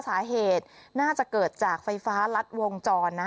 สาเหตุน่าจะเกิดจากไฟฟ้ารัดวงจรนะ